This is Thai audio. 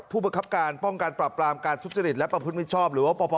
ผู้บังคับการป้องกันปรับปรามการทุกษฎิตและประพฤติมิชชอบ